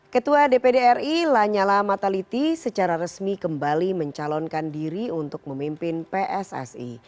ketua dpd ri lanyala mataliti secara resmi kembali mencalonkan diri untuk memimpin pssi